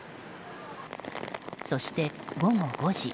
そして、午後５時。